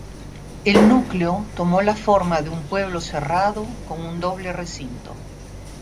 El núcleo tomó la forma de pueblo cerrado, con un doble recinto.